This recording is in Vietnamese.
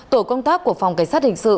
tổ công tác của phòng cảnh sát hình sự